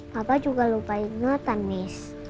papa juga lupa ingetan miss